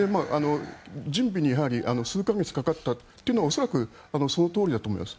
準備に数か月かかったというのは恐らくそのとおりだと思います。